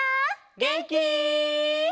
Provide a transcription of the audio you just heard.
げんき？